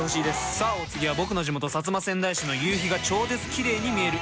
さあお次は僕の地元薩摩川内市の夕日が超絶キレイに見える海。